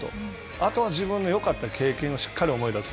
あとは自分のよかった経験をしっかり思い出す。